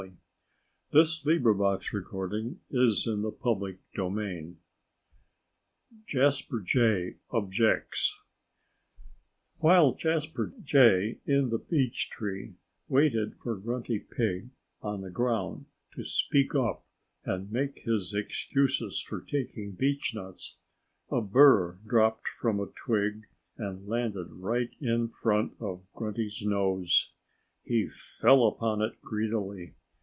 "If you have any excuses to make, let's hear them!" XXII JASPER JAY OBJECTS While Jasper Jay, in the beech tree, waited for Grunty Pig, on the ground, to speak up and make his excuses for taking beechnuts, a bur dropped from a twig and landed right in front of Grunty's nose. He fell upon it greedily.